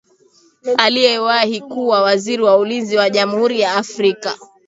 aliyewahii kuwa waziri wa ulinzi wa jamhuri ya afrika